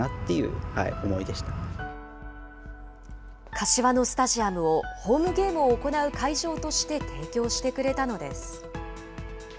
柏のスタジアムをホームゲームを行う会場として提供してくれたのです。